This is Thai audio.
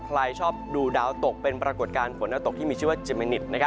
สำหรับใครชอบดูดาวตกเป็นปรากฏการณ์ฝนหน้าตกที่มีชื่อจิเมนิต